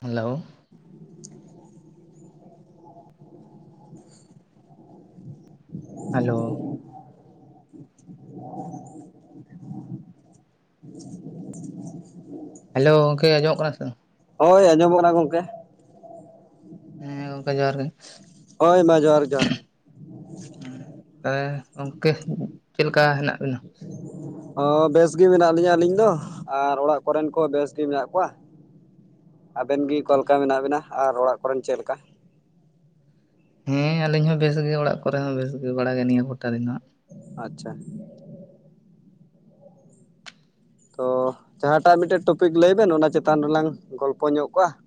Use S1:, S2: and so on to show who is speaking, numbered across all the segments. S1: Hello [inaudible] [inaudible] hello,
S2: [inaudible] [inaudible] [inaudible]
S1: hello ᱜᱚᱝᱠᱮ ᱟᱸᱡᱚᱢᱚᱜ ᱠᱟᱱᱟ ᱥᱮ ᱵᱟᱝ?
S2: ᱦᱚᱭ ᱟᱸᱡᱚᱢᱚᱜ ᱠᱟᱱᱟ ᱜᱚᱝᱠᱮ ᱾
S1: ᱦᱮᱸ ᱜᱚᱝᱠᱮ ᱡᱚᱦᱟᱨ ᱜᱮ ᱾
S2: ᱦᱚᱭ ᱢᱟ ᱡᱚᱦᱟᱨ ᱡᱚᱦᱟᱨ ᱾
S1: ᱦᱮᱸ ᱛᱟᱦᱚᱞᱮ ᱜᱚᱝᱠᱮ ᱪᱮᱫ ᱞᱮᱠᱟ ᱦᱮᱱᱟᱜ ᱵᱤᱱᱟ?
S2: ᱚ ᱵᱮᱥ ᱜᱮ ᱢᱮᱱᱟᱜ ᱞᱤᱧᱟ ᱟᱹᱞᱤᱧ ᱫᱚ ᱟᱨ ᱚᱲᱟᱜ ᱠᱚᱨᱮᱱ ᱠᱚ ᱵᱮᱥ ᱜᱮ ᱢᱮᱱᱟᱜ ᱠᱚᱣᱟ ᱾ ᱟᱵᱮᱱ ᱜᱮ ᱚᱠᱟ ᱞᱮᱠᱟ ᱢᱮᱱᱟᱜ ᱵᱤᱱᱟ ᱟᱨ ᱚᱲᱟᱜ ᱠᱚᱨᱮᱱ ᱪᱮᱫ ᱞᱮᱠᱟ?
S1: ᱦᱮᱸ ᱟᱹᱞᱤᱧ ᱦᱚᱸ ᱵᱮᱥ ᱜᱮ ᱚᱲᱟᱜ ᱠᱚᱨᱮ ᱦᱚᱸ ᱵᱮᱥ ᱜᱮ ᱵᱟᱲᱟ ᱜᱮ ᱱᱤᱭᱟᱹ ᱠᱚᱴᱟ ᱫᱤᱱ ᱫᱚ ᱦᱟᱸᱜ ᱾
S2: ᱟᱪᱪᱷᱟ ᱾ ᱛᱚ ᱡᱟᱦᱟᱸᱴᱟᱜ ᱢᱤᱫᱴᱮᱱ ᱴᱚᱯᱤᱠ ᱞᱟᱹᱭ ᱵᱮᱱ ᱚᱱᱟ ᱪᱮᱛᱟᱱ ᱨᱮᱞᱟᱝ ᱜᱚᱞᱯᱚ ᱧᱚᱜ ᱠᱚᱜ-ᱟ ᱾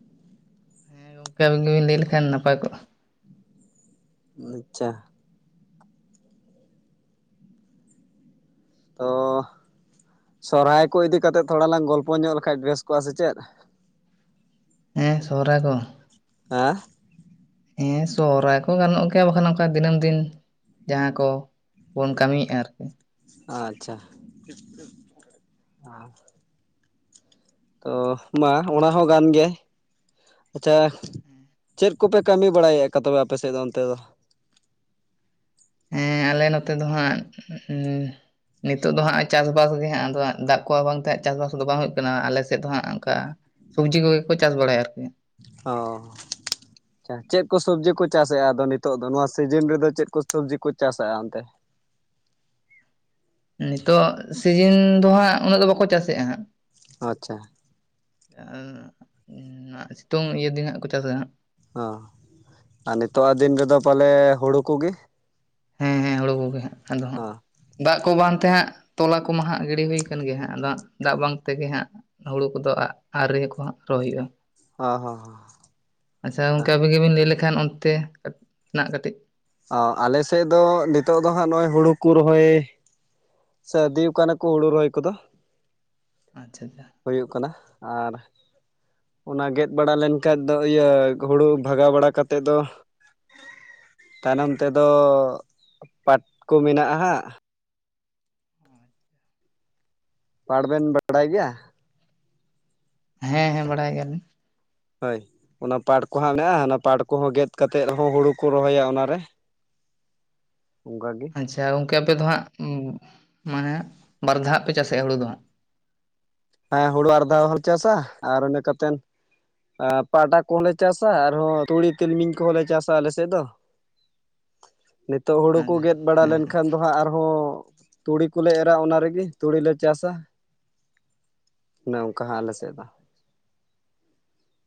S1: ᱠᱟᱹᱢᱤ ᱜᱮᱵᱤᱱ ᱞᱟᱹᱭ ᱞᱮᱠᱷᱟᱱ ᱱᱟᱯᱟᱭ ᱠᱚᱜ-ᱟ ᱾
S2: ᱟᱪᱪᱷᱟ ᱾ ᱛᱚ ᱥᱚᱨᱦᱟᱭ ᱠᱚ ᱤᱫᱤ ᱠᱟᱛᱮᱫ ᱛᱷᱚᱲᱟ ᱞᱟᱝ ᱜᱚᱞᱯᱚ ᱧᱚᱜ ᱞᱮᱠᱷᱟᱡ ᱵᱮᱥ ᱠᱚᱜ-ᱟ ᱥᱮ ᱪᱮᱫ?
S1: ᱦᱮᱸ ᱥᱚᱨᱦᱟᱭ ᱠᱚ ᱾
S2: ᱦᱮᱸ
S1: ᱦᱮᱸ ᱥᱚᱦᱚᱨᱟᱭ ᱠᱚ ᱜᱟᱱᱚᱜ ᱜᱮᱭᱟ ᱵᱟᱠᱷᱟᱱ ᱱᱚᱝᱠᱟ ᱫᱤᱱᱟᱹᱢ ᱫᱤᱱ ᱡᱟᱦᱟᱸ ᱠᱚ ᱵᱚᱱ ᱠᱟᱹᱢᱤ ᱭᱮᱜ-ᱟ ᱟᱨᱠᱤ ᱾
S2: ᱟᱪᱪᱷᱟ [unintelligible] ᱛᱚ ᱢᱟ ᱚᱱᱟ ᱦᱚᱸ ᱜᱟᱱ ᱜᱮ ᱾ ᱟᱪᱪᱷᱟ ᱪᱮᱫ ᱠᱚᱯᱮ ᱠᱟᱹᱢᱤ ᱵᱟᱲᱟ ᱭᱮᱠᱟ ᱛᱚᱵᱮ ᱟᱯᱮ ᱥᱮᱫ ᱫᱚ ᱚᱱᱛᱮ ᱫᱚ ᱾
S1: ᱦᱮᱸ ᱟᱞᱮ ᱱᱚᱛᱮ ᱫᱚ ᱦᱟᱸᱜ ᱱᱤᱛᱚᱜ ᱫᱚ ᱦᱟᱸᱜ ᱪᱟᱥᱵᱟᱥ ᱜᱮ ᱦᱟᱸᱜ ᱟᱫᱚ ᱦᱟᱸᱜ ᱫᱟᱜ ᱠᱚ ᱵᱟᱝᱛᱮᱜ ᱪᱟᱥᱵᱟᱥ ᱫᱚ ᱵᱟᱝ ᱦᱩᱭᱩᱜ ᱠᱟᱱᱟ ᱟᱞᱮ ᱥᱮᱫ ᱫᱚ ᱦᱟᱸᱜ ᱚᱱᱠᱟ ᱥᱚᱵᱽᱡᱤ ᱠᱚᱜᱮ ᱠᱚ ᱪᱟᱥ ᱵᱟᱲᱟᱭᱟ ᱟᱨᱠᱤ᱾
S2: ᱳ ᱟᱪᱷᱟ ᱪᱮᱫ ᱠᱚ ᱥᱚᱵᱽᱡᱤ ᱠᱚ ᱪᱟᱥᱮᱭᱟ ᱟᱫᱚ ᱱᱤᱛᱚᱜ ᱫᱚ ᱱᱚᱣᱟ ᱥᱤᱡᱤᱱ ᱨᱮᱫᱚ ᱪᱮᱫ ᱠᱚ ᱥᱚᱵᱽᱡᱤ ᱠᱚ ᱪᱟᱥᱟᱼᱟ ᱚᱱᱛᱮ?
S1: ᱱᱤᱛᱚᱜ ᱥᱤᱡᱤᱱ ᱫᱚ ᱦᱟᱸᱜ ᱩᱱᱟᱹᱜ ᱫᱚ ᱵᱟᱠᱚ ᱪᱟᱥᱮᱜᱼᱟ ᱦᱟᱸᱜ᱾
S2: ᱟᱪᱪᱷᱟ,
S1: ᱟᱨ ᱥᱤᱛᱩᱝ ᱤᱭᱟᱹ ᱫᱤᱱ ᱦᱟᱸᱜ ᱠᱚ ᱪᱟᱥᱟ ᱦᱟᱜ
S2: ᱚ ᱟᱨ ᱱᱤᱛᱚᱜᱟᱜ ᱫᱤᱱ ᱨᱮᱫᱚ ᱯᱟᱞᱮ ᱦᱩᱲᱩ ᱠᱚᱜᱮ
S1: ᱦᱮᱸ ᱦᱮᱸ ᱦᱩᱲᱩ ᱠᱚᱜᱮ ᱦᱟᱸᱜ ᱟᱫᱚ ᱦᱟᱸᱜ
S2: ᱦᱚᱸ
S1: ᱫᱟᱜ ᱠᱚ ᱵᱟᱝᱛᱮ ᱦᱟᱸᱜ ᱛᱚᱞᱟ ᱠᱚᱢᱟ ᱦᱟᱸᱜ ᱜᱤᱰᱤ ᱦᱩᱭ ᱠᱟᱱ ᱜᱮ ᱦᱟᱸᱜ ᱟᱫᱚ ᱫᱟᱜ ᱵᱟᱝ ᱛᱮᱜᱮ ᱦᱟᱸᱜ ᱦᱩᱲᱩ ᱠᱚᱫᱚ ᱟᱜ ᱟᱣᱨᱤ ᱠᱚ ᱦᱟᱸᱜ ᱛᱳᱜ ᱦᱩᱭᱩᱜᱼᱟ
S2: ᱳ ᱦᱚ
S1: ᱟᱪᱪᱷᱟ ᱜᱚᱝᱠᱮ ᱟᱵᱤᱱ ᱜᱮᱵᱤᱱ ᱞᱟᱹᱭ ᱞᱮᱠᱷᱟᱱ ᱚᱱᱛᱮᱱᱟᱜ ᱠᱟᱹᱴᱤᱡ
S2: ᱚ ᱟᱞᱮ ᱥᱮᱫ ᱫᱚ ᱱᱤᱛᱚᱜ ᱫᱚ ᱦᱟᱸᱜ ᱱᱚᱜᱼᱚᱭ ᱦᱩᱲᱩ ᱠᱩ ᱨᱚᱦᱚᱭ ᱥᱟᱹᱨᱫᱤ ᱠᱟᱱᱟ ᱠᱚ ᱦᱩᱲᱩ ᱨᱚᱦᱚᱭ ᱠᱚᱫᱚ
S1: ᱟᱪᱪᱷᱟ ᱟᱪᱪᱷᱟ
S2: ᱦᱩᱭᱩᱜ ᱠᱟᱱᱟ ᱟᱨ ᱚᱱᱟ ᱜᱮᱫ ᱵᱟᱲᱟ ᱞᱮᱱᱠᱷᱟᱡ ᱫᱚ ᱤᱭᱟᱹ ᱦᱩᱲᱩ ᱵᱷᱟᱜᱟᱣ ᱵᱟᱲᱟ ᱠᱟᱛᱮ ᱫᱚ ᱛᱟᱭᱱᱚᱢ ᱛᱮᱫᱚ ᱯᱟᱴ ᱠᱚ ᱢᱮᱱᱟᱜᱼᱟ ᱦᱟᱸᱜ ᱯᱟᱴ ᱵᱮᱱ ᱵᱟᱰᱟᱭ ᱜᱮᱭᱟ
S1: ᱦᱮᱸ ᱦᱮᱸ ᱵᱟᱲᱟᱭ ᱜᱮᱭᱟᱞᱤᱧ
S2: ᱦᱳᱭ ᱚᱱᱟ ᱯᱟᱴ ᱠᱚᱦᱟᱸᱜ ᱢᱮᱱᱟᱜᱼᱟ ᱚᱱᱟ ᱯᱟᱴ ᱠᱚᱦᱚᱸ ᱜᱮᱫ ᱠᱟᱛᱮᱫ ᱦᱚᱸ ᱦᱩᱲᱩ ᱠᱚ ᱨᱚᱦᱚᱭᱟ ᱚᱱᱟ ᱨᱮ ᱚᱝᱠᱟ ᱜᱮ
S1: ᱟᱪᱪᱷᱟ ᱜᱚᱝᱠᱮ ᱟᱯᱮ ᱫᱚ ᱦᱟᱸᱜ ᱢᱟᱱᱮ ᱵᱟᱨᱫᱷᱟ ᱦᱟᱜ ᱯᱮ ᱪᱟᱥᱮᱜᱼᱟ ᱦᱩᱲᱩ ᱫᱚ ᱦᱟᱸᱜ
S2: ᱦᱮᱸ ᱦᱩᱲᱩ ᱵᱟᱨ ᱫᱷᱟᱣ ᱦᱚᱸ ᱪᱟᱥᱟ ᱟᱨ ᱤᱱᱟᱹ ᱠᱟᱛᱮᱱ ᱟᱨ ᱯᱟᱴᱟ ᱠᱚᱦᱚᱸᱞᱮ ᱪᱟᱥᱟ ᱟᱨᱦᱚᱸ ᱛᱩᱲᱤ ᱛᱤᱞᱢᱤᱧ ᱠᱚᱦᱚᱸᱞᱮ ᱪᱟᱥᱟ ᱟᱞᱮ ᱥᱮᱫ ᱫᱚ ᱱᱤᱛᱳᱜ ᱦᱩᱲᱩ ᱠᱚ ᱜᱮᱫ
S1: ᱟᱪᱪᱷᱟ
S2: ᱵᱟᱲᱟ
S1: ᱦᱮᱸ
S2: ᱞᱮᱱ
S1: ᱦᱮᱸ
S2: ᱠᱷᱟᱱ ᱫᱚ ᱦᱟᱸᱜ ᱟᱨᱦᱚᱸ ᱛᱩᱲᱤ ᱠᱚᱞᱮ ᱮᱨᱟ ᱚᱱᱟ ᱨᱮᱜᱮ ᱛᱩᱲᱤᱞᱮ ᱪᱟᱥᱟ ᱚᱱᱮ ᱚᱝᱠᱟ ᱦᱚᱸ ᱟᱞᱮᱥᱮᱫ ᱫᱚ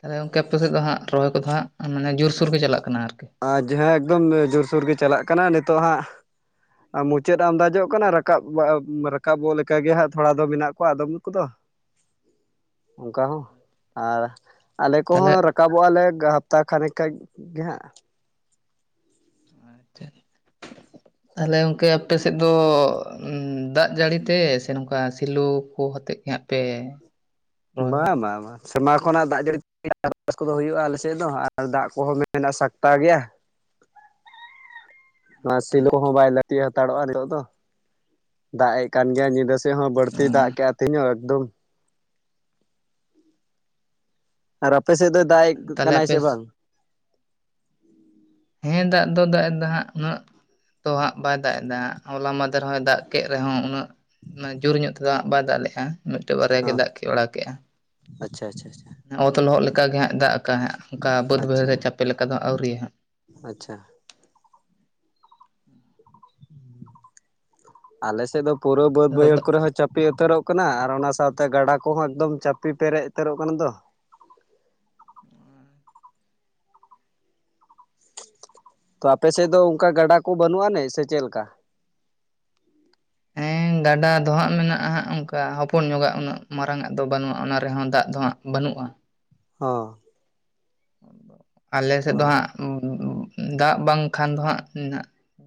S1: ᱛᱟᱦᱞᱮ ᱜᱚᱝᱠᱮ ᱟᱯᱮ ᱥᱮᱫ ᱫᱚ ᱦᱟᱸᱜ ᱨᱚᱦᱚᱭ ᱠᱚᱫᱚ ᱦᱟᱸᱜ ᱢᱟᱱᱮ ᱡᱩᱨᱥᱩᱨ ᱜᱮ ᱪᱟᱞᱟᱜ ᱠᱟᱱᱟ ᱟᱨᱠᱤ
S2: ᱟᱨ ᱡᱟᱦᱟᱸ ᱮᱠᱫᱚᱢ ᱡᱳᱨᱥᱳᱨ ᱜᱮ ᱪᱟᱞᱟᱜ ᱠᱟᱱᱟ ᱱᱤᱛᱚᱜ ᱦᱟᱸᱜ ᱢᱩᱪᱟᱹᱫ ᱟᱢᱫᱟ ᱡᱚᱜ ᱠᱟᱱᱟ ᱨᱟᱠᱟᱵ ᱵᱟ ᱨᱟᱠᱟᱵᱚᱜ ᱞᱮᱠᱟ ᱜᱮ ᱦᱟᱸᱜ ᱛᱷᱚᱲᱟ ᱫᱚ ᱵᱮᱱᱟᱜ ᱠᱚᱣᱟ ᱟᱫᱚᱢ ᱠᱚᱫᱚ
S1: [inaudible]
S2: ᱚᱱᱠᱟ ᱦᱚᱸ ᱟᱨ ᱟᱞᱮ
S1: ᱛᱟᱦᱚᱞᱮ
S2: ᱠᱚᱦᱚᱸ ᱨᱟᱠᱟᱵᱚᱜᱼᱟᱞᱮ ᱦᱟᱯᱛᱟ ᱠᱷᱟᱱᱮᱠ ᱠᱷᱟᱱ ᱜᱮ ᱦᱟᱸᱜ
S1: [inaudible] ᱛᱟᱦᱞᱮ ᱜᱚᱝᱠᱮ ᱟᱯᱮ ᱥᱮᱫ ᱫᱚ ᱫᱟᱜ ᱡᱟᱹᱲᱤ ᱛᱮ ᱥᱮ ᱱᱚᱝᱠᱟ ᱥᱮᱞᱚ ᱠᱚ ᱦᱚᱛᱮᱫ ᱜᱮ ᱦᱟᱸᱜ ᱯᱮ ᱨᱚᱦᱚᱭ ᱵᱟᱲᱟᱭᱟ?
S2: ᱵᱟᱝ ᱵᱟᱸ ᱵᱟᱸ ᱥᱮᱨᱢᱟ ᱠᱷᱚᱱᱟᱜ ᱫᱟᱜ ᱡᱟᱹᱲᱤ ᱪᱟᱥᱵᱟᱥ ᱠᱚᱫᱚ ᱦᱩᱭᱩᱜᱼᱟ ᱟᱞᱮ ᱥᱮᱫ ᱫᱚ ᱟᱨ ᱫᱟᱜ ᱠᱚᱦᱚᱸ ᱢᱮᱱᱟᱜᱼᱟ ᱥᱟᱠᱛᱟ ᱜᱮᱭᱟ
S1: [inaudible]
S2: ᱚᱱᱟ
S1: ᱟᱪᱪᱷᱟ
S2: ᱥᱤᱞᱳ ᱠᱚᱦᱚᱸ ᱵᱟᱭ ᱞᱟᱹᱠᱛᱤ ᱦᱟᱛᱟᱲᱚᱜᱼᱟ ᱱᱤᱛᱚᱜ ᱫᱚ ᱫᱟᱜ ᱮ ᱠᱟᱱ ᱜᱮᱭᱟ ᱧᱤᱫᱟᱹ ᱥᱮᱜ ᱦᱚᱸ ᱵᱟᱹᱲᱛᱤ ᱫᱟᱜ ᱠᱮᱜᱼᱟ ᱛᱤᱦᱤᱧ ᱦᱚᱸ ᱮᱠᱫᱚᱢ ᱟᱨ ᱟᱯᱮ ᱥᱮᱫ
S1: ᱟᱪᱪᱷᱟ
S2: ᱫᱚᱭ ᱫᱟᱜ
S1: ᱟᱪᱪᱷᱟ
S2: ᱮ
S1: ᱛᱟᱦᱚᱞᱮ
S2: ᱠᱟᱱᱟᱭ
S1: ᱟᱯᱮ
S2: ᱥᱮ ᱵᱟᱝ
S1: ᱦᱮᱸ ᱫᱟᱜ ᱫᱚ ᱫᱟᱜᱼᱮ ᱫᱟ ᱦᱟᱸᱜ ᱩᱱᱟᱹᱜ ᱛᱚ ᱦᱟᱸᱜ ᱵᱟᱭ ᱫᱟᱜ ᱮᱫᱟ ᱦᱚᱞᱟ ᱢᱟᱫᱷᱮᱨ ᱦᱚᱸᱭ ᱫᱟᱜ ᱠᱮᱜ ᱨᱮᱦᱚᱸ ᱩᱱᱟᱹᱜ ᱩᱱᱟᱹᱜ ᱡᱳᱨ ᱧᱚᱜ ᱛᱮᱫᱚ ᱦᱟᱜ ᱵᱟᱭ ᱫᱟᱜ ᱞᱮᱜᱼᱟ ᱢᱤᱫᱴᱟᱹᱜ ᱵᱟᱨᱭᱟ ᱜᱮ
S2: ᱦᱚᱸ
S1: ᱫᱟᱜ ᱠᱮᱜ ᱵᱟᱲᱟ ᱠᱮᱫᱼᱟ
S2: ᱟᱪᱪᱷᱟ ᱟᱪᱪᱷᱟ ᱟᱪᱷᱟ
S1: ᱚᱛ ᱞᱚᱦᱚᱫ ᱞᱮᱠᱟᱜᱮ ᱦᱟᱸᱜ ᱫᱟᱜ ᱠᱟᱜᱼᱟ ᱚᱱᱠᱟ ᱵᱟᱹᱫ ᱵᱟᱹᱭᱦᱟᱹᱲ
S2: ᱟᱪᱪᱷᱟ
S1: ᱨᱮ ᱪᱟᱯᱮ ᱞᱮᱠᱟ ᱫᱚ ᱦᱟᱜ ᱟᱹᱣᱨᱤᱭᱟ ᱦᱟᱸᱜ
S2: ᱟᱪᱪᱷᱟ ᱟᱞᱮ ᱥᱮᱫ ᱫᱚ ᱯᱩᱨᱟᱹ ᱵᱟᱹᱫᱽ
S1: ᱦᱟᱸᱜ᱾
S2: ᱵᱟᱹᱭᱦᱟᱹᱲ ᱠᱚᱨᱮ ᱦᱚ ᱪᱟᱯᱤ ᱩᱛᱟᱹᱨᱚᱜ ᱠᱟᱱᱟ ᱟᱨ ᱚᱱᱟ ᱥᱟᱶᱛᱮ ᱜᱟᱰᱟ ᱠᱚᱦᱚᱸ ᱮᱠᱫᱚᱢ ᱪᱟᱯᱮ ᱯᱮᱨᱮᱡ ᱩᱛᱟᱹᱨᱚᱜ ᱠᱟᱱᱟ ᱫᱚ ᱛᱚ ᱟᱯᱮ ᱥᱮᱫ ᱫᱚ ᱚᱱᱠᱟ ᱜᱟᱰᱟ ᱠᱚ ᱵᱟᱹᱱᱩᱜ ᱟᱱᱤᱡ ᱥᱮ ᱪᱮᱫ ᱞᱮᱠᱟ
S1: ᱦᱮᱸ ᱜᱟᱰᱟ ᱫᱚ ᱦᱟᱸᱜ ᱢᱮᱱᱟᱜᱼᱟ ᱦᱟᱸᱜ ᱚᱱᱠᱟ ᱦᱚᱯᱚᱱ ᱧᱚᱜᱟ ᱩᱱᱟᱹᱜ ᱢᱟᱨᱟᱝᱼᱜ ᱫᱚ ᱵᱟᱹᱱᱩᱜᱼᱟ ᱚᱱᱟ ᱨᱮᱦᱚᱸ ᱫᱟᱜ ᱫᱚᱦᱟᱸᱜ ᱵᱟᱹᱱᱩᱜᱼᱟ
S2: ᱚ
S1: ᱟᱞᱮ
S2: ᱛᱚ
S1: ᱥᱮᱫ ᱫᱚ ᱦᱟᱸᱜ ᱫᱟᱜ ᱵᱟᱝᱠᱷᱟᱱ ᱫᱚ ᱦᱟᱸᱜᱹ ᱩ ᱦᱟᱸᱜ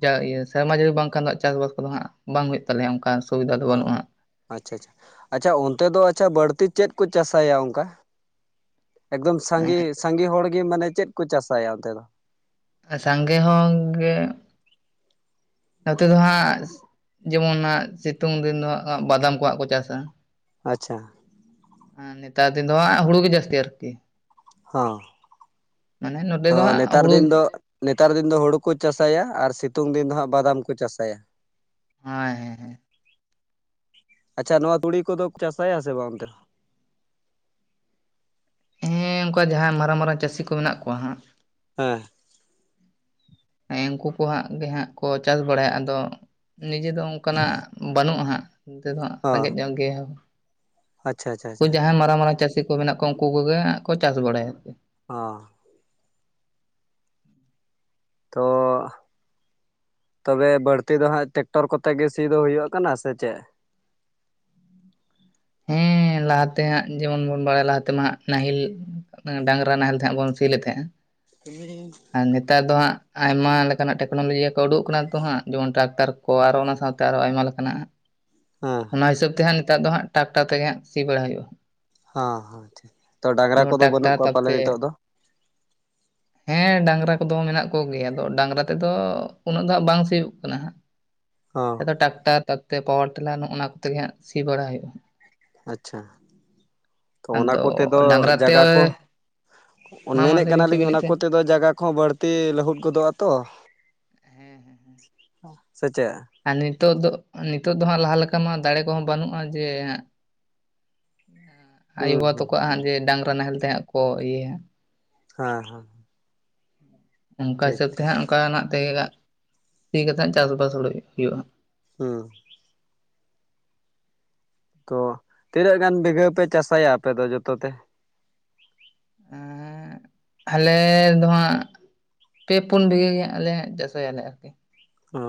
S1: ᱡᱟ ᱤᱭᱟ ᱥᱮᱨᱢᱟ ᱡᱟᱹᱲᱤ ᱵᱟᱝᱠᱷᱟᱱ ᱫᱚ ᱦᱟᱸ ᱪᱟᱥᱵᱟᱥ ᱠᱚᱫᱚ ᱦᱟᱸᱜ ᱵᱟᱝ ᱦᱳᱭᱳᱜ ᱛᱟᱞᱮᱭᱟ ᱚᱱᱠᱟ ᱥᱩᱵᱤᱫᱷᱟ ᱫᱚ
S2: ᱦᱚᱸ
S1: ᱵᱟᱹᱱᱩᱜᱼᱟ
S2: ᱟᱪᱪᱷᱟ ᱟᱪᱪᱷᱟ ᱟᱪᱪᱷᱟ ᱚᱱᱛᱮ ᱫᱚ ᱟᱪᱷᱟ ᱵᱟᱹᱲᱛᱤ ᱪᱮᱫ ᱠᱚ ᱪᱟᱥᱟᱭᱟ ᱚᱱᱠᱟ ᱮᱠᱫᱚᱢ
S1: ᱦᱟᱸᱜ
S2: ᱥᱟᱸᱜᱮ ᱥᱟᱸᱜᱮ ᱦᱚᱲ ᱜᱮ ᱢᱟᱱᱮ ᱪᱮᱫ ᱠᱚ ᱪᱟᱥᱟᱭᱟ ᱚᱱᱛᱮ ᱫᱚ
S1: ᱟ ᱥᱟᱸᱜᱮ ᱦᱚᱸᱜᱮ ᱱᱚᱛᱮ ᱫᱚᱦᱟᱸᱜ ᱡᱮᱢᱚᱱ ᱦᱟᱜ ᱥᱤᱛᱩᱝ ᱫᱤᱱ ᱫᱚ ᱦᱟᱜ ᱵᱟᱫᱟᱢ ᱠᱚᱣᱟᱜ ᱠᱚ ᱪᱟᱥᱟ
S2: ᱟᱪᱪᱷᱟ
S1: ᱮ ᱱᱮᱛᱟᱨ ᱫᱤᱱ ᱫᱚ ᱦᱟᱸᱜ ᱦᱩᱲᱩ ᱜᱮ ᱡᱟᱹᱥᱛᱤ ᱟᱨᱠᱤ
S2: ᱦᱚᱸ
S1: ᱢᱟᱱᱮ ᱱᱚᱛᱮ
S2: ᱛᱚ
S1: ᱫᱚ ᱦᱟᱸᱜ
S2: ᱱᱮᱛᱟᱨ
S1: ᱦᱩᱲᱩ
S2: ᱫᱤᱱ ᱫᱚ ᱱᱮᱛᱟᱨ ᱫᱤᱱ ᱫᱚ ᱦᱳᱲᱳ ᱠᱚ ᱪᱟᱥᱟᱭᱟ ᱟᱨ ᱥᱤᱛᱩᱝ ᱫᱤᱱ ᱫᱚ ᱦᱟᱸᱜ ᱵᱟᱫᱟᱢ ᱠᱚ ᱪᱟᱥᱟᱭᱟ
S1: ᱦᱳᱭ ᱦᱳᱭ
S2: ᱟᱪᱪᱷᱟ ᱱᱚᱣᱟ ᱛᱩᱲᱤ ᱠᱚᱫᱚ ᱠᱚ ᱪᱟᱥᱟᱭᱟ ᱥᱮ ᱵᱟᱝ ᱚᱱᱛᱮ ᱫᱚ
S1: ᱦᱮᱸ ᱚᱱᱠᱟ ᱡᱟᱦᱟᱸ ᱢᱟᱨᱟᱝ ᱢᱟᱨᱟᱝ ᱪᱟᱹᱥᱤ ᱠᱚ ᱢᱮᱱᱟᱜ ᱠᱚᱣᱟ ᱦᱟᱸᱜ
S2: ᱦᱮᱸ
S1: ᱦᱮᱸ ᱩᱱᱠᱩ ᱠᱚ ᱦᱟᱸᱜ ᱜᱮ ᱦᱟᱸᱜ ᱠᱚ ᱪᱟᱥ ᱵᱟᱲᱟᱭᱟ ᱟᱫᱚ ᱱᱤᱡᱮ ᱫᱚ ᱚᱱᱠᱟᱱᱟᱜ ᱵᱟᱹᱱᱩᱜᱼᱟ ᱦᱟᱸᱜ ᱱᱚᱛᱮ ᱦᱚᱟᱸᱜ
S2: ᱦᱚᱸ
S1: ᱨᱮᱸᱜᱮᱡ ᱧᱚᱜ ᱜᱮ
S2: ᱟᱪᱪᱷᱟ ᱟᱪᱪᱷᱟ
S1: ᱩᱱᱠᱩ
S2: ᱟᱪᱪᱷᱟ
S1: ᱡᱟᱦᱟᱸᱭ ᱢᱟᱨᱟᱝ ᱢᱟᱨᱟᱝ ᱪᱟᱹᱥᱤ ᱠᱚ ᱢᱮᱱᱟᱜ ᱠᱚᱣᱟ ᱩᱱᱠᱩ ᱠᱚᱜᱮᱜ ᱠᱚ ᱪᱟᱥ ᱵᱟᱲᱟᱭᱟ
S2: ᱚ ᱛᱳ ᱛᱚᱵᱮ ᱵᱟᱹᱲᱛᱤ ᱫᱚ ᱦᱟᱸᱜ ᱴᱮᱠᱴᱚᱨ ᱠᱚᱛᱮ ᱜᱮ ᱥᱮ ᱫᱚ ᱦᱳᱭᱳᱜ ᱠᱟᱱᱟ ᱥᱮ ᱪᱮᱫ
S1: ᱦᱮᱸ ᱞᱟᱦᱟ ᱛᱮ ᱦᱟᱸᱜ ᱡᱮᱢᱚᱱ ᱵᱚᱱ ᱵᱟᱲᱟᱭᱟ ᱞᱟᱦᱟ ᱛᱮᱢᱟ ᱦᱟᱜ ᱱᱟᱦᱮᱞ ᱰᱟᱝᱨᱟ ᱱᱟᱦᱮᱞ ᱛᱮ ᱦᱮᱸᱜ ᱵᱚᱱ ᱥᱤ ᱞᱮ ᱛᱟᱦᱮᱸᱜᱼᱟ
S2: [inaudible]
S1: ᱟᱨ ᱱᱮᱛᱟᱨ ᱫᱚ ᱦᱟᱸᱜ ᱟᱭᱢᱟ ᱞᱮᱠᱟᱱᱟᱜ ᱴᱮᱠᱱᱳᱞᱚᱡᱤ ᱠᱚ ᱩᱰᱩᱠ ᱠᱟᱱᱟ ᱛᱚ ᱦᱟᱸᱜ ᱡᱮᱢᱚᱱ ᱴᱟᱠᱴᱟᱨ ᱠᱚ ᱟᱨᱚ ᱚᱱᱟ ᱥᱟᱶᱛᱮ ᱟᱨᱚ ᱟᱭᱢᱟ ᱞᱮᱠᱟᱱᱟᱜ
S2: ᱦᱮᱸ
S1: ᱚᱱᱟ ᱦᱤᱥᱟᱹᱵ ᱛᱮ ᱦᱟᱸᱜ ᱱᱮᱛᱟᱨ ᱫᱚ ᱦᱟᱜ ᱴᱟᱠᱴᱟᱨ ᱛᱮᱜᱮ ᱦᱟᱜ ᱥᱤ ᱵᱟᱲᱟ ᱦᱳᱭᱳᱼᱟ
S2: ᱚ ᱛᱚ ᱰᱟᱝᱨᱟ ᱠᱚᱫᱚ ᱵᱟᱹᱱᱩᱜ
S1: ᱴᱨᱟᱠᱴᱟᱨ
S2: ᱠᱚᱣᱟ ᱯᱟᱞᱮ ᱱᱤᱛᱚᱜ
S1: ᱛᱟᱯᱚᱛᱮ
S2: ᱫᱚ
S1: [inaudible] ᱦᱮᱸ ᱰᱟᱝᱨᱟ ᱠᱚᱫᱚ ᱢᱮᱱᱟᱜ ᱠᱚᱜᱮᱭᱟ ᱟᱫᱚ ᱰᱟᱝᱨᱟ ᱛᱮᱫᱚ ᱩᱱᱟᱹᱜ ᱫᱚ ᱦᱟᱜ ᱵᱟᱝ ᱥᱤᱭᱳᱜ ᱠᱟᱱᱟ ᱦᱟᱸᱜ
S2: ᱦᱚᱸ
S1: ᱱᱮᱛᱟᱨ ᱴᱟᱠᱴᱟᱨ ᱛᱟ ᱯᱚᱛᱮ ᱯᱟᱣᱟᱨ ᱴᱮᱞᱟᱨ ᱱᱚᱜᱼᱚ ᱚᱱᱟ ᱠᱚᱛᱮᱜ ᱜᱮ ᱦᱟᱸᱜ ᱥᱤ ᱵᱟᱲᱟ ᱦᱳᱭᱳᱜᱼᱟ ᱦᱟᱸ
S2: ᱟᱪᱪᱷᱟ ᱛᱚ ᱚᱱᱟ
S1: ᱟᱫᱚ
S2: ᱠᱚ ᱛᱮᱫᱚ
S1: ᱰᱟᱝᱨᱟ ᱛᱮ
S2: ᱡᱟᱭᱜᱟ ᱠᱚ
S1: ᱢᱟ
S2: ᱢᱮᱱᱮᱫ
S1: ᱢᱟ ᱞᱟᱹᱭ ᱵᱤᱱ ᱪᱮᱫ
S2: ᱠᱟᱱᱟᱞᱤᱧ
S1: ᱵᱤᱱ ᱞᱟᱹᱭᱮᱫ
S2: ᱚᱱᱟ
S1: ᱛᱟᱦᱮᱸᱫ
S2: ᱠᱚᱛᱮᱫᱚ ᱡᱟᱜᱟ ᱠᱚ ᱵᱟᱹᱲᱛᱤ ᱞᱟᱹᱦᱩᱫ ᱜᱚᱫᱚᱼᱟ ᱛᱚ
S1: ᱦᱮᱸ ᱦᱮᱸ ᱦᱮᱸ
S2: ᱥᱮᱪᱮᱫ
S1: ᱟᱨ ᱱᱤᱛᱚᱜ ᱫᱚ ᱱᱤᱛᱚᱜ ᱫᱚ ᱦᱟᱸᱜ ᱞᱟᱦᱟ ᱞᱮᱠᱟ ᱢᱟ ᱫᱟᱲᱮ ᱠᱚᱦᱚᱸ ᱵᱟᱹᱱᱩᱜᱼᱟ ᱡᱮ
S2: ᱦᱩᱸ
S1: ᱟᱭᱳᱼᱵᱟᱵᱟ
S2: ᱦᱩᱸ
S1: ᱛᱟᱠᱚᱣᱟᱜ ᱦᱟᱸ
S2: ᱦᱩᱸ
S1: ᱡᱮ ᱰᱟᱝᱨᱟ ᱱᱟᱦᱮᱞ ᱛᱮᱦᱟᱜ ᱠᱚ ᱤᱭᱟᱹᱭᱟ
S2: ᱦᱮᱸ ᱦᱮᱸ
S1: ᱚᱱᱠᱟ
S2: ᱴᱷᱤᱠ
S1: ᱦᱤᱥᱟᱹᱵ ᱛᱮ
S2: ᱴᱷᱤᱠ
S1: ᱦᱟᱸᱜ ᱚᱱᱠᱟᱱᱟᱜ ᱜᱟᱜ ᱛᱮᱜᱮ ᱦᱟᱜ ᱪᱟᱥᱼᱵᱟᱥ ᱦᱩᱭᱩᱜ ᱦᱩᱭᱩᱜᱼᱟ
S2: ᱦᱩᱸ ᱛᱚ ᱛᱤᱱᱟᱹᱜ ᱜᱟᱱ ᱵᱤᱜᱷᱟᱹ ᱯᱮ ᱪᱟᱥᱟᱭᱟ ᱟᱯᱮ ᱫᱚ ᱡᱚᱛᱚ ᱛᱮ
S1: ᱟᱸᱻ ᱟᱞᱮ ᱫᱚ ᱦᱟᱜ ᱯᱮ ᱯᱩᱱ ᱵᱤᱜᱷᱽᱟᱹ ᱜᱮ ᱟᱞᱮ ᱪᱟᱥᱚᱭᱟᱞᱮ᱾ ᱟᱨᱠᱤ
S2: ᱚ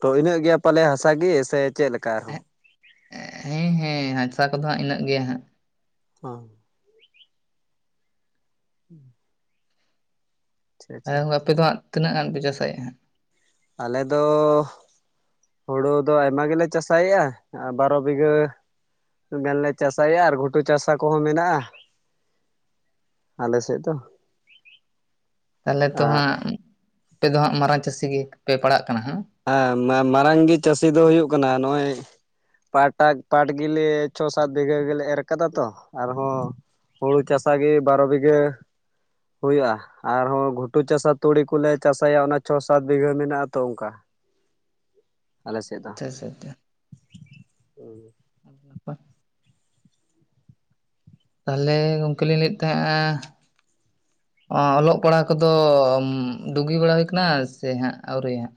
S2: ᱛᱚ ᱤᱱᱟᱹᱜ ᱜᱮᱭᱟ᱾ ᱯᱟᱞᱮ ᱦᱟᱥᱟ ᱜᱮ ᱥᱮ ᱪᱮᱞᱮᱠᱟ?
S1: ᱦᱮᱸ- ᱦᱮᱸ ᱦᱟᱥᱟ ᱠᱚᱼᱫᱚ ᱦᱟᱸᱜ ᱤᱱᱟᱹᱜ ᱜᱮᱭᱟ ᱦᱟᱸᱜ᱾
S2: ᱦᱚᱸ᱾ ᱦᱩᱸ᱾
S1: ᱦᱮᱸ ᱦᱳ ᱟᱯᱮ ᱫᱚᱦᱟ-ᱜ ᱛᱤᱱᱟᱹᱜ ᱜᱟᱱ ᱯᱮ, ᱪᱟᱥᱟᱭᱮᱫᱼᱟᱜ?
S2: ᱟᱞᱮ ᱫᱚ- ᱦᱩᱲᱩ ᱫᱚ ᱟᱭᱢᱟ ᱜᱮᱞᱮ ᱪᱟᱥᱟᱭᱮᱫᱼᱟ᱾ ᱵᱟᱨᱚ ᱵᱤᱜᱷᱽᱟᱹ᱾ ᱜᱟᱱᱞᱮ ᱪᱟᱥᱟᱭᱟ᱾ ᱟᱨ ᱜᱷᱩᱴᱩ ᱪᱟᱥᱟ ᱠᱚᱦᱚᱸ ᱢᱮᱱᱟᱜᱼᱟ᱾ ᱟᱞᱮ ᱥᱮᱫ ᱫᱚ᱾
S1: ᱛᱟᱦᱚᱞᱮ ᱛᱚ
S2: ᱦᱮᱸ
S1: ᱦᱟᱸᱜ, ᱟᱯᱮ ᱫᱚ ᱦᱟᱸᱜ, ᱢᱟᱨᱟᱝ ᱪᱟᱹᱥᱤ ᱜᱮᱯᱮ ᱯᱟᱲᱟᱽᱜ ᱠᱟᱱᱟ᱾ ᱦᱟᱸᱜ?
S2: ᱦᱮᱸ ᱢᱟᱨᱟᱝ ᱜᱮ ᱪᱟᱹᱥᱤ ᱫᱚ ᱦᱩᱭᱩᱼᱜ ᱠᱟᱱᱟ᱾ ᱱᱚᱜᱼᱚᱭ ᱯᱟᱴᱟ ᱯᱟᱴᱸ ᱜᱮᱞᱮ ᱪᱷᱚ - ᱥᱟᱛ ᱵᱤᱜᱷᱽᱟᱹ ᱜᱮᱞᱮ ᱮᱨ ᱠᱟᱫᱟ ᱾ ᱛᱚ ᱟᱨᱦᱚᱸ- ᱦᱩᱲᱩ ᱪᱟᱥ ᱜᱮ ᱵᱟᱨᱚᱸ ᱵᱤᱜᱷᱽᱟᱹ᱾ ᱦᱩᱭᱩᱜᱼᱟ᱾ ᱟᱨᱦᱚᱸ ᱜᱷᱩᱴᱩ ᱪᱟᱥᱟ ᱛᱩᱲᱤ ᱠᱚᱞᱮ ᱪᱟᱥᱟᱭᱟ᱾ ᱚᱱᱟ ᱪᱷᱚ - ᱥᱟᱛ ᱵᱤᱜᱷᱽᱟᱹ ᱢᱮᱱᱟᱜᱼᱟ᱾ ᱟ ᱛᱚ ᱚᱱᱠᱟ᱾
S1: [inaudible]
S2: ᱟᱞᱮ ᱥᱮᱫ ᱫᱚ
S1: ᱟᱪᱪᱷᱟ ᱟᱪᱪᱷᱟ
S2: ᱦ᱾
S1: ᱟᱰᱤ ᱱᱟᱯᱟᱭ᱾ ᱛᱟᱦᱚᱞᱮ ᱜᱚᱝᱠᱮ ᱞᱤᱧ ᱞᱟᱹᱭᱮᱫ ᱛᱟᱦᱮᱸᱱᱟ᱾ ᱚᱞᱚᱜ ᱯᱟᱲᱦᱟ-ᱜ ᱠᱚᱼᱫᱚ ᱰᱩᱜᱤ ᱵᱟᱲᱟ ᱦᱩᱭ ᱠᱟᱱᱟ ᱾ ᱥᱮ ᱦᱟᱸᱜ ᱟᱹᱣᱩᱨᱤ ᱦᱟᱸᱜ?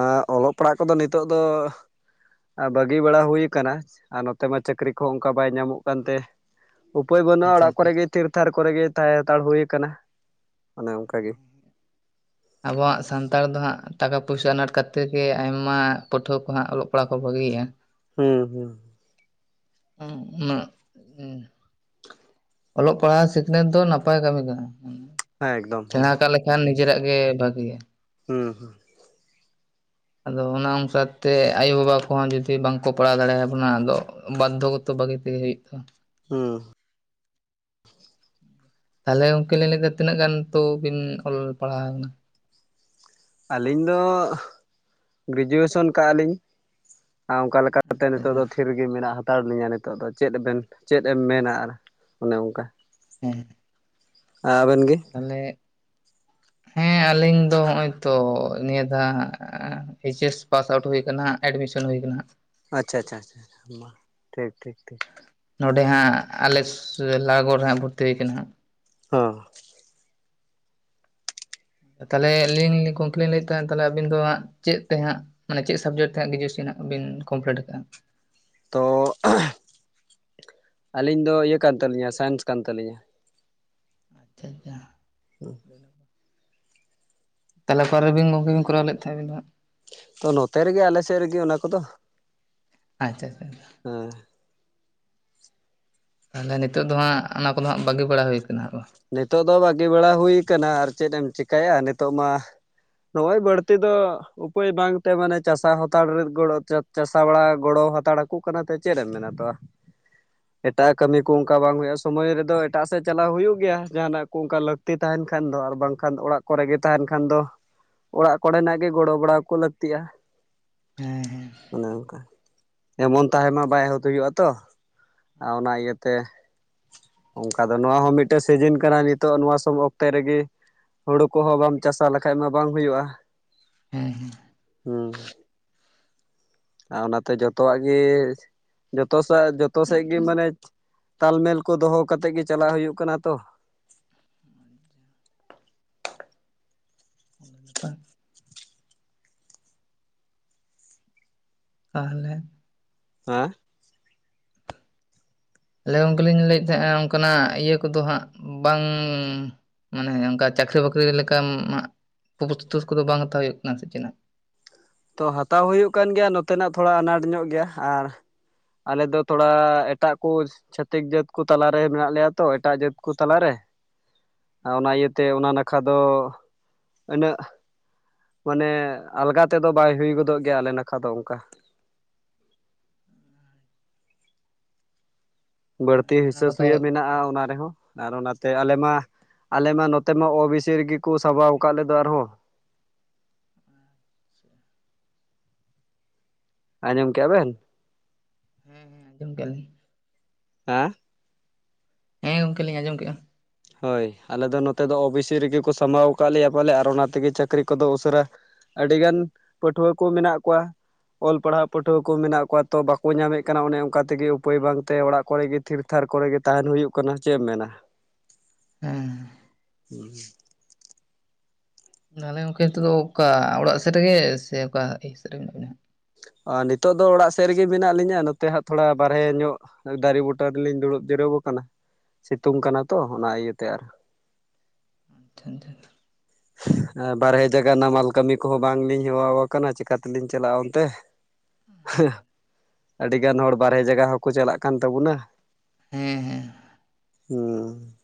S2: ᱟᱹ ᱚᱞᱚᱜ ᱯᱟᱲᱦᱟ-ᱜ ᱠᱚᱼᱫᱚ ᱱᱤᱛᱚᱼᱜ ᱫᱚ ᱾ ᱟᱨ ᱵᱟᱹᱜᱤ ᱵᱟᱲᱟ ᱦᱩᱭᱩ ᱟᱠᱟᱱᱟ᱾ ᱟᱱᱟ ᱟᱨ ᱱᱚᱛᱮ ᱢᱟ ᱪᱟᱹᱠᱨᱤ ᱠᱚᱼᱦᱚᱸ ᱚᱱᱠᱟ ᱵᱟᱭ ᱧᱟᱢᱚ-ᱜ ᱠᱟᱱᱛᱮ᱾ ᱩᱯᱟᱹᱭ ᱵᱟᱹᱱᱩᱜᱼᱟ᱾
S1: ᱟᱪᱪᱷᱟ
S2: ᱚᱲᱟᱜ
S1: ᱟᱪᱪᱷᱟ
S2: ᱠᱚᱨᱮ ᱜᱮ᱾ ᱛᱷᱤᱨ ᱛᱷᱽᱟᱨ ᱠᱚᱨᱮ ᱜᱮᱸ ᱛᱟᱦᱮᱸ ᱦᱟᱛᱟᱲ ᱦᱩᱭ ᱟᱠᱟᱱᱟ᱾ ᱚᱱᱮ ᱚᱱᱠᱟᱜᱮ᱾
S1: ᱟᱵᱚᱣᱟᱼᱜ ᱥᱟᱱᱛᱟᱲ ᱫᱚ ᱦᱟᱸᱜ ᱴᱟᱠᱟ ᱯᱩᱭᱥᱟ ᱾ ᱟᱱᱟᱴ ᱠᱷᱟᱹᱛᱤᱨ ᱜᱮ ᱟᱭᱢᱟ᱾ ᱯᱟᱹᱴᱷᱩᱣᱟᱹ ᱠᱚ ᱦᱟᱸᱜ ᱚᱞᱚᱜ᱾ ᱠᱚᱯᱲᱟ ᱠᱚ ᱵᱟᱹᱜᱤᱼᱟ᱾
S2: ᱦᱩᱸ ᱦᱩᱸ᱾
S1: ᱩᱸ ᱢᱟᱜ ᱩᱸ ᱚᱞᱚᱜ ᱯᱟᱲᱦᱟ-ᱜ ᱥᱤᱠᱷᱱᱟᱹᱛ ᱫᱚ, ᱱᱟᱯᱟᱭ ᱠᱟᱹᱢᱤ ᱠᱟᱱᱟ᱾
S2: ᱦᱮᱸ ᱮᱠᱫᱚᱢ ᱦᱮᱸ
S1: ᱥᱮᱬᱟᱸ ᱠᱟᱜ ᱞᱮᱠᱷᱟᱱ ᱱᱤᱡᱮᱨᱟ-ᱜ ᱜᱮ, ᱵᱷᱟᱹᱜᱤᱭᱟ᱾
S2: ᱦᱩᱸ ᱦᱩᱸ᱾
S1: ᱟᱫᱚ ᱚᱱᱟ ᱚᱝᱠᱟ ᱛᱮ ᱟᱭᱳᱼᱵᱟᱵᱟ ᱠᱚᱼᱦᱚᱸ ᱡᱩᱫᱤ ᱵᱟᱝᱠᱚ ᱯᱟᱲᱦᱟ-ᱣ ᱫᱟᱲᱮᱭᱟᱵᱚᱱᱟ ᱾ ᱟᱫᱚ ᱵᱟᱫᱽᱫ ᱚᱠᱚᱛᱚ ᱵᱷᱟᱹᱜᱤ ᱛᱮᱜᱮ ᱦᱩᱭᱩᱜᱼᱟ᱾ ᱛᱟᱢᱟ
S2: ᱦᱩᱸ᱾
S1: ᱛᱟᱦᱚᱞᱮ ᱜᱚᱝᱠᱮ ᱞᱤᱧ ᱞᱟᱹᱭ ᱞᱤᱫᱟ᱾ ᱛᱤᱱᱟᱹ ᱜᱟᱱ ᱛᱚ ᱵᱤᱱ ᱚᱞ ᱯᱟᱲᱦᱟᱣᱱᱟ?
S2: ᱟᱹᱞᱤᱧ ᱫᱚ ᱜᱨᱮᱡᱩᱭᱮᱥᱚᱱ ᱠᱟᱜᱼᱟ᱾ ᱞᱤᱧ ᱟᱨ ᱚᱱᱠᱟ ᱞᱮᱠᱟ ᱱᱤᱛᱚᱜ ᱫᱚ
S1: ᱟᱠᱟᱱᱟ
S2: ᱫᱚᱷᱤᱨ ᱜᱮ ᱢᱮᱱᱟᱜ ᱦᱟᱛᱟᱲ ᱞᱤᱧᱟᱹ ᱱᱤᱛᱚᱜ ᱫᱚ᱾ ᱪᱮᱫ ᱵᱮᱱ ᱪᱮᱫ ᱮᱢ ᱢᱮᱱᱟ ᱾ᱟᱨ ᱚᱱᱮ ᱚᱱᱠᱟ᱾
S1: ᱦᱮᱸ᱾
S2: ᱟᱵᱮᱱ ᱜᱮ?
S1: ᱛᱟᱦᱚᱞᱮ ᱦᱮᱸ ᱟᱹᱞᱤᱧ ᱫᱚ ᱦᱚᱜᱼᱚᱭ ᱛᱚ᱾ ᱱᱤᱭᱟᱹ ᱫᱟᱜ᱾ ᱮᱭᱤᱪ ᱮᱥ ᱯᱟᱥ ᱟᱣᱩᱴ ᱦᱩᱭ ᱟᱠᱟᱱᱟ᱾ ᱮᱰᱢᱤᱥᱚᱱ ᱦᱩᱭ ᱟᱠᱟᱱᱟ᱾
S2: ᱟᱪᱪᱷᱟ - ᱟᱪᱪᱷᱟ ᱟᱪᱪᱟ ᱢᱟ ᱴᱷᱤᱠ ᱴᱷᱤᱠ, ᱴᱷᱤᱠ᱾
S1: ᱱᱚᱰᱮ ᱦᱟᱸᱜ ᱟᱞᱮ ᱞᱟᱜᱚᱲ ᱨᱮ ᱦᱟᱸᱜ ᱵᱷᱚᱨᱛᱤᱠᱟᱱᱟ ᱦᱩᱭᱟᱠᱟᱱᱟ ᱦᱟᱸᱜ᱾
S2: ᱦᱚᱸ᱾
S1: ᱛᱟᱦᱚᱞᱮ ᱟᱹᱞᱤᱧ ᱞᱤᱧ ᱠᱩᱝᱠᱞᱤᱧ ᱞᱟᱹᱭᱮᱫ ᱛᱟᱦᱮᱱ ᱛᱟᱦᱚᱞᱮ ᱟᱹᱵᱤᱱ ᱫᱚ ᱦᱟᱸᱜ ᱪᱮᱫ ᱛᱮ ᱦᱟᱸᱜᱼᱼ ᱢᱟᱱᱮ ᱪᱮᱫ ᱥᱟᱵᱡᱮᱠᱴ ᱛᱮ ᱜᱡᱩᱭᱮᱥᱜ ᱵᱤᱱ ᱠᱚᱢᱯᱞᱤᱴ ᱟᱠᱟᱟᱜᱼᱟ?
S2: ᱛᱚ ᱟᱹᱞᱤᱧ ᱫᱚ ᱤᱭᱟᱹ ᱠᱟᱱ ᱛᱟᱹᱞᱤᱧᱟ ᱥᱟᱭᱮᱱᱥ ᱠᱟᱱ ᱛᱟᱹᱟᱞᱤᱧᱟ᱾
S1: ᱟᱪᱪ ᱟᱪᱪᱷᱟ᱾ [inaudible]
S2: ᱦᱩᱸ᱾ [inaudible]
S1: [unintelligible] ᱛᱟᱦᱞᱮ ᱚᱠᱟᱚᱨᱮᱵᱤᱱ ᱜᱚᱢᱠᱮ ᱵᱤᱱ ᱠᱚᱨᱟᱣ ᱞᱮᱫ ᱛᱟᱦᱮ ᱵᱤᱱ ᱫᱚ ᱦᱟᱸᱜ,
S2: ᱛᱚ ᱱᱚᱛᱮ ᱨᱮᱜᱮ ᱟᱞᱮ ᱥᱮᱫ ᱨᱮᱜᱮ ᱚᱱᱟ ᱠᱚᱫᱚ᱾
S1: ᱟᱪᱷᱟ ᱟᱪᱷᱟ ᱪᱷᱟ᱾
S2: ᱦᱩᱸ
S1: ᱢᱟᱱᱮ ᱱᱤᱛᱚᱜ ᱫᱚ ᱦᱟᱸᱜ ᱚᱱᱟ ᱠᱚᱫᱚ ᱦᱟᱸᱜ ᱵᱟᱹᱜᱤ ᱵᱟᱲᱟ ᱦᱩᱭ ᱠᱟᱱᱟ᱾
S2: ᱱᱤᱛᱚᱜ ᱫᱚ ᱵᱟᱹᱜᱤ ᱵᱟᱲᱟ ᱦᱩᱭ ᱠᱟᱱᱟ ᱟᱨ ᱪᱮᱫ ᱮᱢ ᱪᱤᱠᱟᱭᱟ ᱱᱤᱛᱚᱜ ᱢᱟᱼᱼ ᱱᱚᱜ-ᱚᱭ ᱵᱟᱹᱲᱛᱤ ᱫᱚᱼᱼ ᱩᱯᱟᱹᱭ ᱵᱟᱝᱛᱮ ᱢᱟᱱᱮ ᱪᱟᱥᱟ ᱦᱟᱛᱟᱲ ᱜᱚᱲᱚ ᱪᱟᱥᱟ ᱵᱟᱲᱟ ᱜᱚᱲᱚ ᱦᱟᱛᱟᱲ ᱟᱠᱚ ᱠᱟᱱᱟ ᱛᱮ ᱪᱮᱫ ᱮᱢ ᱢᱮᱱᱟ ᱛᱚ᱾
S1: [unintelligible]
S2: ᱮᱴᱟᱜᱼᱟᱜ ᱠᱟᱹᱢᱤ ᱠᱚ ᱚᱱᱠᱟ ᱵᱟᱝ ᱦᱩᱭᱩᱜ ᱥᱚᱢᱚᱭ ᱨᱮᱫᱚ ᱮᱴᱟᱜ ᱥᱮᱫ ᱪᱟᱞᱟᱜ ᱦᱩᱭᱩᱜᱼᱼ ᱜᱮᱭᱟ ᱡᱟᱦᱟᱱᱟᱜ ᱠᱚ ᱚᱱᱠᱟ ᱞᱟᱹᱠᱛᱤ ᱛᱟᱦᱮᱱ ᱠᱷᱟᱱ ᱫᱚ ᱟᱨ ᱵᱟᱝᱠᱷᱟᱱ ᱫᱚ ᱚᱲᱟᱜ ᱠᱚᱨᱮ ᱜᱮ ᱛᱟᱦᱮᱱ ᱠᱷᱟᱱ ᱫᱚᱼᱼ ᱚᱲᱟᱜ ᱠᱚᱨᱮᱱᱟᱜ ᱜᱮ ᱜᱚᱲᱚ ᱵᱟᱲᱟ ᱠᱚ ᱞᱟᱹᱠᱛᱤᱜᱼᱟ᱾
S1: ᱦᱮᱸ ᱦᱮᱸ᱾
S2: ᱚᱱᱮ ᱚᱱᱠᱟ ᱮᱢᱚᱱ ᱛᱟᱦᱮᱱ ᱢᱟ ᱵᱟᱭ ᱮᱦᱚᱛ ᱦᱩᱭᱩᱜᱼᱟ ᱛᱚ᱾ ᱟᱨ ᱚᱱᱟ ᱤᱭᱟᱹᱛᱮ ᱚᱱᱠᱟ ᱫᱚ ᱱᱚᱣᱟ ᱦᱚᱸ ᱢᱤᱫ ᱥᱤᱡᱤᱱ ᱠᱟᱱᱟ ᱱᱤᱛᱚᱜ ᱱᱚᱣᱟ ᱥᱚᱢ ᱚᱠᱛᱮ ᱨᱮᱜᱮ᱾ ᱦᱳᱲᱳ ᱠᱚᱦᱚᱸ ᱵᱟᱢ ᱪᱟᱥᱟ ᱞᱮᱠᱷᱟᱡ ᱢᱟ ᱵᱟᱝ ᱦᱩᱭᱩᱜᱼᱟ
S1: ᱦᱮᱸ ᱦᱮᱸ
S2: ᱦᱩᱸ ᱟᱨ ᱚᱱᱟᱛᱮ ᱡᱚᱛᱚᱣᱟᱜ ᱜᱮ ᱡᱚᱛᱚ ᱥᱮ ᱡᱚᱛᱚ ᱥᱮᱫ ᱜᱮ ᱢᱟᱱᱮᱼᱼ ᱛᱟᱞᱢᱮᱞ ᱠᱚ ᱫᱚᱦᱚ ᱠᱟᱛᱮ ᱜᱮ ᱪᱟᱞᱟᱜ ᱦᱩᱭᱩᱜ ᱠᱟᱱᱟ ᱛᱚ᱾
S1: [unintelligible] ᱚᱱᱟ [inaudible] ᱛᱟᱦᱞᱮᱼᱼ
S2: ᱦᱟ [inaudible]
S1: ᱞᱮ ᱜᱚᱝᱠᱮ ᱞᱤᱧ ᱞᱟᱹᱭᱮᱫ ᱛᱟᱦᱮᱸᱱᱟ ᱚᱱᱠᱟᱱᱟᱜ ᱤᱭᱟᱹ ᱠᱚᱫᱚ ᱦᱟᱸᱜ ᱵᱟᱝᱼᱼ ᱢᱟᱱᱮ ᱚᱱᱠᱟ ᱪᱟᱹᱠᱨᱤ ᱵᱟᱹᱠᱨᱤ ᱞᱮᱠᱟ ᱯᱨᱚᱥᱛᱩᱥ ᱠᱚᱫᱚ ᱵᱟᱝ ᱦᱟᱛᱟᱣ ᱦᱩᱭᱩᱜ ᱠᱟᱱᱟ ᱥᱮ ᱪᱮᱫ ᱱᱟᱜᱼᱼ
S2: ᱛᱚ ᱦᱟᱛᱟᱣ ᱦᱩᱭᱩᱜ ᱠᱟᱱ ᱜᱮᱭᱟ ᱱᱚᱛᱮᱱᱟᱜ ᱛᱷᱚᱲᱟ ᱟᱱᱟᱴ ᱧᱚᱜ ᱜᱮᱭᱟ ᱟᱨᱼᱼ ᱟᱞᱮᱫᱚ ᱛᱷᱚᱲᱟ ᱮᱴᱟᱜ ᱠᱳᱥᱼᱼ ᱪᱷᱟᱹᱛᱤᱠ ᱡᱟᱹᱛ ᱠᱚ ᱛᱟᱞᱟᱨᱮ ᱢᱮᱱᱟᱜ ᱞᱮᱭᱟ ᱛᱚ ᱮᱴᱟᱜ ᱡᱟᱹᱛ ᱠᱩ ᱛᱟᱞᱟᱨᱮᱼᱼ ᱟᱨ ᱚᱱᱟ ᱤᱭᱟᱹᱛᱮ ᱚᱱᱟ ᱱᱟᱠᱷᱟ ᱫᱚ ᱟᱹᱱᱟᱹᱜᱼᱼ ᱢᱟᱱᱮ ᱟᱞᱜᱟ ᱛᱮᱫᱚ ᱵᱟᱭ ᱦᱩᱭ ᱜᱚᱫᱚᱜ ᱜᱮᱭᱟ ᱟᱞᱮ ᱱᱟᱠᱷᱟ ᱫᱚ ᱚᱱᱠᱟ ᱵᱟᱹᱲᱛᱤ
S1: ᱦᱮᱸ ᱚᱱᱟ
S2: ᱦᱤᱥᱟᱹ
S1: ᱠᱚᱫᱚ
S2: ᱥᱩᱭᱟᱹ ᱢᱮᱱᱟᱜᱼᱟ ᱚᱱᱟ ᱨᱮᱦᱚᱸ᱾ ᱟᱨ ᱚᱱᱟᱛᱮ ᱟᱞᱮ ᱢᱟ ᱟᱞᱮ ᱢᱟ ᱱᱚᱛᱮ ᱢᱟ ᱳ ᱵᱤ ᱥᱤ ᱨᱮᱜᱮ ᱠᱚ ᱥᱟᱵᱟᱣ ᱟᱠᱟᱫ ᱞᱮ ᱫᱚ ᱟᱨᱦᱚᱸ᱾
S1: ᱟᱪ ᱥᱮ [inaudible]
S2: ᱟᱸᱡᱚᱢ ᱠᱮᱜ-ᱟ ᱵᱮᱱ᱾
S1: ᱦᱮᱸ ᱦᱮᱸ ᱡᱚᱢ ᱠᱮᱜ-ᱟ ᱞᱤᱧ᱾
S2: ᱦᱟᱼᱼ
S1: ᱦᱮᱸ ᱜᱚᱢᱠᱮ ᱞᱤᱧ ᱟᱸᱡᱚᱢ ᱠᱮᱫᱼᱟ᱾
S2: ᱦᱳᱭ ᱟᱞᱮ ᱫᱚ ᱱᱚᱛᱮ ᱫᱚ ᱳ ᱵᱤ ᱥᱤ ᱨᱮᱜᱮ ᱠᱚ ᱥᱟᱢᱵᱟᱣ ᱟᱠᱟᱫ ᱞᱮᱭᱟ ᱯᱟᱞᱮ, ᱟᱨ ᱚᱱᱟ ᱛᱮᱜᱮ ᱪᱟᱹᱠᱨᱤ ᱠᱚᱫᱚ ᱩᱥᱟᱹᱨᱟ ᱟᱹᱰᱤ ᱜᱟᱱ ᱯᱟᱹᱴᱷᱩᱣᱟᱹ ᱠᱚ ᱢᱮᱱᱟᱜ ᱠᱚᱣᱟ᱾ ᱚᱞ ᱯᱟᱲᱦᱟᱣ ᱯᱟᱹᱴᱷᱩᱣᱟᱹ ᱠᱚ ᱢᱮᱱᱟᱜ ᱠᱚᱣᱟ ᱛᱚ, ᱵᱟᱠᱚ ᱧᱟᱢᱮᱫ ᱠᱟᱱᱟ ᱚᱱᱮ ᱚᱱᱠᱟ ᱛᱮᱜᱮ ᱩᱯᱟᱹᱭ ᱵᱟᱝᱛᱮ ᱚᱲᱟᱜ ᱠᱚᱨᱮ ᱜᱮ ᱛᱷᱤᱨ ᱛᱷᱟᱨ ᱠᱚᱨᱮ ᱜᱮ ᱛᱟᱦᱮᱱ ᱦᱩᱭᱩᱜ ᱠᱟᱱᱟ ᱪᱮᱫ ᱮᱢ ᱢᱮᱱᱟ᱾
S1: ᱦᱮᱸ᱾
S2: ᱦᱩᱸ [inaudible]
S1: ᱛᱟᱦᱞᱮ ᱜᱚᱢᱠᱮ ᱱᱤᱛᱚᱜ ᱫᱚ ᱚᱠᱟ ᱚᱲᱟᱜ ᱥᱮᱫ ᱨᱮᱜᱮ, ᱥᱮ ᱚᱠᱟ ᱤᱭᱟᱹ ᱥᱮᱫ ᱨᱮ ᱢᱮᱱᱟᱜ ᱵᱮᱱᱟ?
S2: ᱟᱨ ᱱᱤᱛᱚᱜ ᱫᱚ ᱚᱲᱟᱜ ᱥᱮᱫ ᱨᱮᱜᱮ ᱢᱮᱱᱟᱜ ᱞᱤᱧᱟ᱾ ᱱᱚᱛᱮ ᱦᱟᱸᱜ ᱛᱷᱚᱲᱟ ᱵᱟᱨᱦᱮ ᱧᱚᱜ ᱫᱟᱨᱮ ᱵᱩᱴᱟ ᱨᱮᱞᱤᱧ ᱫᱩᱲᱩᱵ ᱡᱤᱨᱟᱹᱣ ᱟᱠᱟᱱᱟ, ᱥᱤᱛᱩᱝ ᱠᱟᱱᱟ ᱛᱚ ᱚᱱᱟ ᱤᱭᱟᱹᱛᱮ ᱟᱨ᱾
S1: ᱴᱷᱚᱱ [unintelligible] ᱴᱷᱚᱱᱟ᱾
S2: ᱵᱟᱨᱦᱮ ᱡᱟᱭᱜᱟ ᱱᱟᱢᱟᱞ ᱠᱟᱹᱢᱤ ᱠᱚᱦᱚᱸ ᱵᱟᱝᱞᱤᱧ ᱦᱮᱣᱟᱣ ᱟᱠᱟᱱᱟ, ᱪᱤᱠᱟ ᱛᱮᱞᱤᱧ ᱪᱟᱞᱟᱜᱼᱟ ᱚᱱᱛᱮ᱾ ᱦᱟᱹ ᱟᱹᱰᱤ ᱜᱟᱱ ᱦᱚᱲ ᱵᱟᱨᱦᱮ ᱡᱟᱭᱜᱟ ᱦᱚᱸᱠᱚ ᱪᱟᱞᱟᱜ ᱠᱟᱱ ᱛᱟᱵᱚᱱᱟ᱾
S1: ᱦᱮᱸ ᱦᱮᱸ᱾
S2: ᱦᱩᱸ᱾